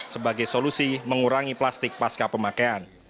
sebagai solusi mengurangi plastik pasca pemakaian